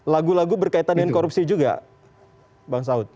lagu lagu berkaitan dengan korupsi juga bang saud